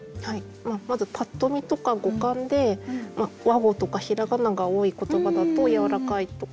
まずパッと見とか語感で和語とか平仮名が多い言葉だとやわらかいとか。